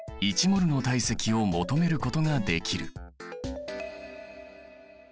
１ｍｏｌの体積を求めることができる。